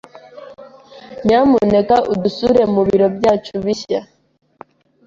Nyamuneka udusure mu biro byacu bishya.